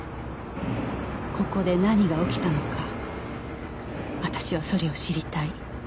ここで何が起きたのか私はそれを知りたい